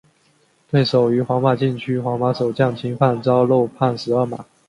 对手于皇马禁区皇马守将侵犯遭漏判十二码。